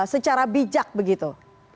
secara bijak begitu